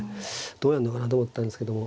どうやんのかなと思ったんですけども。